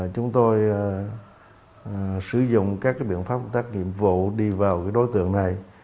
chúng tôi sử dụng các biện pháp công tác nghiệp vụ đi vào đối tượng này